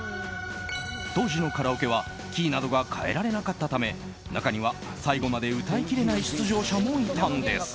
当時のカラオケはキーなどが変えられなかったため中には最後まで歌いきれない出場者もいたんです。